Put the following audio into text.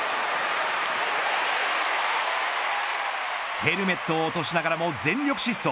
ヘルメットを落としながらも全力疾走。